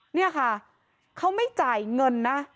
นี่ค่ะเขาไม่จ่ายเงินนะ